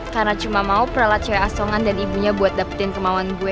karena cuma mau peralat cewek asongan dan ibunya buat dapetin kemauan gue